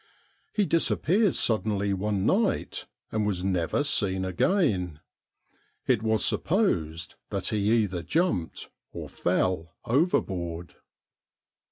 He disappeared suddenly one night, and was JOHN MACDOUGAES DOUBLE 91 never seen again. It was supposed that he either jumped or fell overboard.